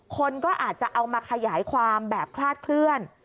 คนก็อาจจะเอามาขยายความแบบคลาดเคลื่อน